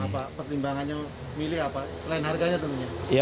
apa pertimbangannya milih apa selain harganya tentunya